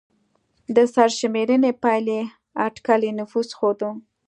د سرشمېرنې پایلې اټکلي نفوس ښوده.